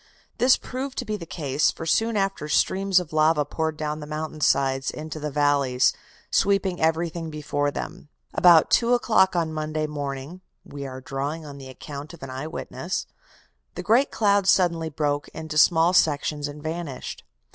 "This proved to be the case, for soon after streams of lava poured down the mountain sides into the valleys, sweeping everything before them. About two o'clock on Monday morning we are drawing on the account of an eye witness the great cloud suddenly broke into small sections and vanished.